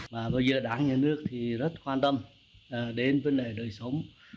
mà bây giờ đảng nhà nước thì rất quan tâm đến vấn đề người sống